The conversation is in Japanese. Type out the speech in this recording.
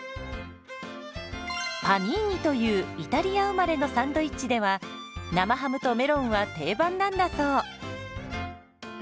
「パニーニ」というイタリア生まれのサンドイッチでは生ハムとメロンは定番なんだそう。